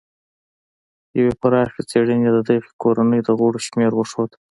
یوې پراخې څېړنې د دغې کورنۍ د غړو شمېر وښود.